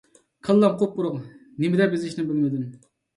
كاللام قۇپقۇرۇق! نېمىدەپ يېزىشنى بىلمىدىم.